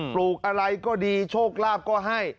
ลูกอะไรก็ดีโชคลาภก็ให้